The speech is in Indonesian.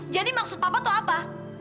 jadi maksud papa tuh apa